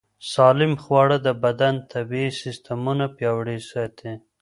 سالم خواړه د بدن طبیعي سیستمونه پیاوړي ساتي.